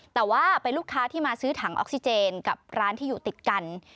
แต่ว่าเป็นลูกค้าที่มาซื้อถังออกซิเจนกับร้านที่อยู่ติดกัน